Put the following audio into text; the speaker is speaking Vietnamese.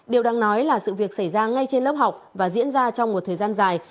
điều đáng nói là sự việc xảy ra ngay trên lớp học và diễn ra trong một thời gian dài